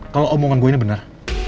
kalau omongan gue ini benar